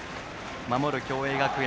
守る共栄学園